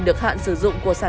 đây là gốc của nấm